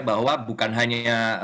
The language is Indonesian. bahwa bukan hanya